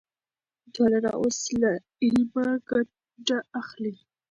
ټولنه اوس له علمه ګټه اخلي.